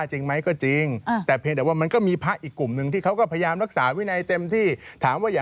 หมายถึงว่าอะไรคือข้อโต้แย้งอาจารย์